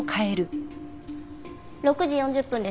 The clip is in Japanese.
６時４０分です。